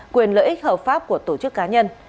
quyền lợi ích hợp pháp của tổ chức cá nhân